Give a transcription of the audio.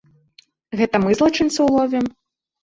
Гэта мы злачынцаў ловім?